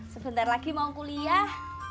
sebentar lagi mau kuliah